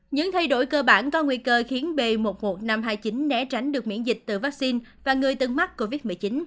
những thay đổi cơ bản có nguy cơ khiến b một mươi một nghìn năm trăm hai mươi chín né tránh được miễn dịch từ vaccine và người từng mắc covid một mươi chín